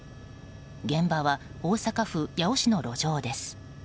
現場は大阪府八尾市の路上です。